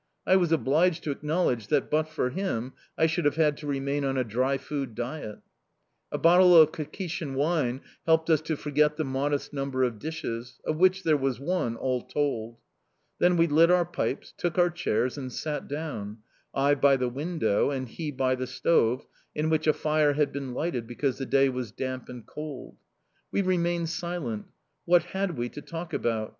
I was obliged to acknowledge that, but for him, I should have had to remain on a dry food diet. A bottle of Kakhetian wine helped us to forget the modest number of dishes of which there was one, all told. Then we lit our pipes, took our chairs, and sat down I by the window, and he by the stove, in which a fire had been lighted because the day was damp and cold. We remained silent. What had we to talk about?